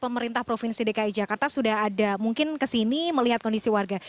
pemerintah provinsi dki jakarta sudah ada mungkin kesini melihat kondisi warga